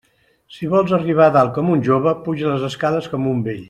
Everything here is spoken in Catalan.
Si vols arribar a dalt com un jove, puja les escales com un vell.